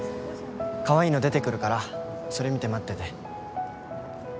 可愛いの出てくるからそれ見て待ってて。